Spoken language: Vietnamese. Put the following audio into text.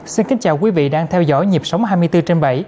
xin kính chào quý vị đang theo dõi nhịp sống hai mươi bốn trên bảy